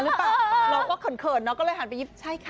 เราเผลอนอกเลยหันไปยินใช่ค่ะ